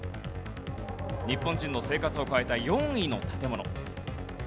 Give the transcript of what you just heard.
日本人の生活を変えた４位の建物。